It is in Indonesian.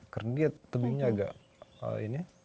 karena dia tebingnya agak ini